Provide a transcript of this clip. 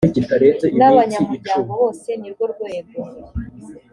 n abanyamuryango bose nirwo rwego